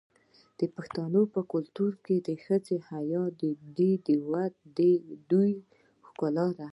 د پښتنو په کلتور کې د ښځو حیا د دوی ښکلا ده.